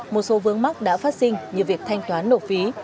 một số vướng mắc đã phát sinh như việc thanh toán nổ phí